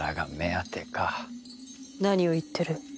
何を言ってる？